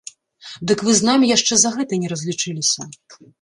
Дык вы з намі яшчэ за гэта не разлічыліся.